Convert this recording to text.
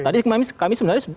tadi kami sebenarnya teman dari kpu